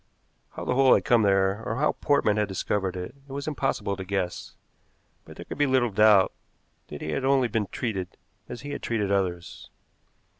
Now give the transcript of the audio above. How the hole had come there, or how Portman had discovered it, it was impossible to guess, but there could be little doubt that he had only been treated as he had treated others.